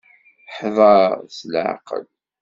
Hḍeṛ s leɛqel.